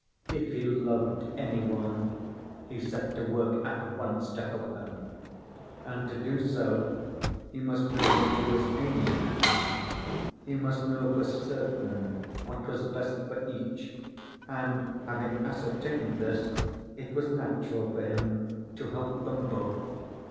If he loved any one, he set to work at once to help him. And to do so he must know what he was aiming at; he must know for certain what was best for each, and having ascertained this it was natural for him to help them both.